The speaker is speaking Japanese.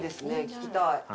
聞きたい。